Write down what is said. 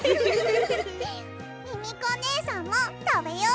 ミミコねえさんもたべよ。